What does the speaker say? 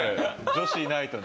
女子いないとね。